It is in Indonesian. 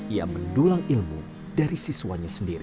ia mendulang ilmu dari siswanya sendiri